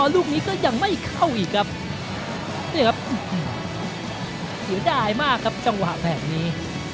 ลูกนี้ก็ยังไม่เข้าอีกครับเนี่ยครับเสียดายมากครับจังหวะแบบนี้